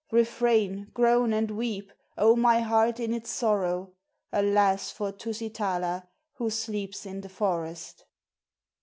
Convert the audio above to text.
Refrain, groan, and weep, oh, my heart in its sorrow! Alas! for Tusitala who sleeps in the forest.